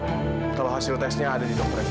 kalau hasil tesnya ada di dr effendi